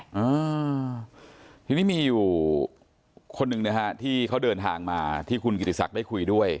อ่าทีนี้มีอยู่คนหนึ่งนะฮะที่เขาเดินทางมาที่คุณกิติศักดิ์ได้คุยด้วย